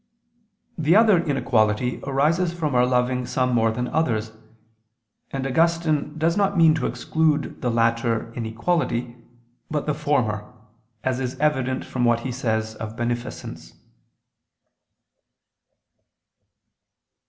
The other inequality arises from our loving some more than others: and Augustine does not mean to exclude the latter inequality, but the former, as is evident from what he says of beneficence.